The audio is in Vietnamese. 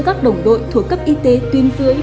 các đồng đội thuộc cấp y tế tuyên phưới